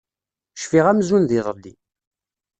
Cfiɣ amzun d iḍelli.